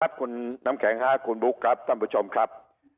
ครับคุณน้ำแข็งคุณบุ๊คครับท่านผู้ชมครับ